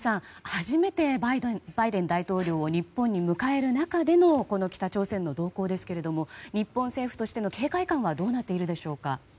初めてバイデン大統領を日本に迎える中でのこの北朝鮮の動向ですが日本政府としての警戒感はどうなっているでしょうか。